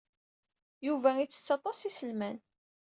Yuba ittett aṭas n yiselman.